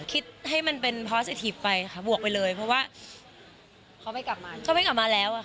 คิดให้มันเป็นพาสสิทีฟไปค่ะบวกไปเลยเพราะว่าเขาไม่กลับมาเขาไม่กลับมาแล้วอะค่ะ